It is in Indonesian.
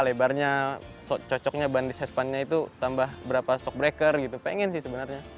lebarnya cocoknya bandis hespan nya itu tambah berapa sok breaker gitu pengen sih sebenarnya